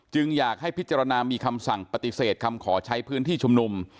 อยากให้พิจารณามีคำสั่งปฏิเสธคำขอใช้พื้นที่ชุมนุม